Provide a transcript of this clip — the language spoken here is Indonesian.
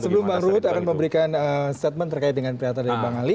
sebelum bang ruhut akan memberikan statement terkait dengan pernyataan dari bang ali